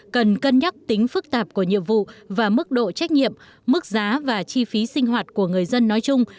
cần cân nhắc tính phức tạp của nhiệm vụ và mức độ trách nhiệm mức giá và chi phí sinh hoạt của người dân nói chung